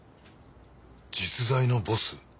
実在のボス？